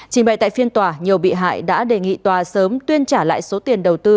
chính bày tại phiên tòa nhiều bị hại đã đề nghị tòa sớm tuyên trả lại số tiền đầu tư